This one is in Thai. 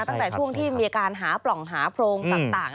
ตั้งแต่ช่วงที่มีอาการหาปล่องหาโพรงต่าง